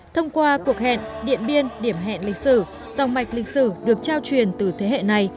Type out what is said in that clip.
thông qua cuộc hẹn điện biên điểm hẹn lịch sử dòng mạch lịch sử được trao truyền từ thế hệ này